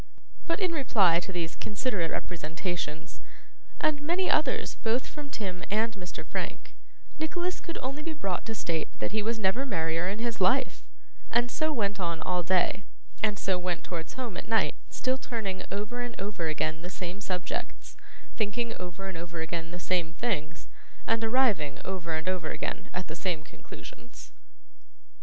But in reply to these considerate representations, and many others both from Tim and Mr. Frank, Nicholas could only be brought to state that he was never merrier in his life; and so went on all day, and so went towards home at night, still turning over and over again the same subjects, thinking over and over again the same things, and arriving over and over again at the same conclusions.